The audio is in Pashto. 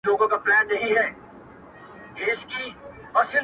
بگوت گيتا د هندوانو مذهبي کتاب؛